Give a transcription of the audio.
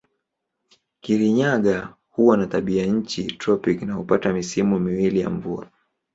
Kirinyaga huwa na tabianchi tropiki na hupata misimu miwili ya mvua.